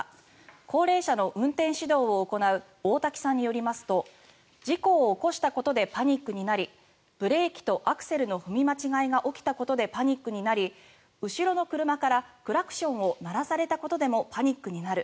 高齢者の運転指導を行う大瀧さんによりますと事故を起こしたことでパニックになりブレーキとアクセルの踏み間違いが起きたことでパニックになり後ろの車からクラクションを鳴らされたことでもパニックになる。